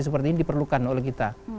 seperti ini diperlukan oleh kita